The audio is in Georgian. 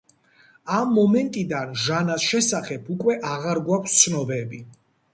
ამ მომენტიდან ჟანას შესახებ უკვე აღარ გვაქვს ცნობები.